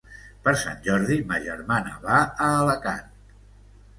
Per Sant Jordi ma germana va a Alacant.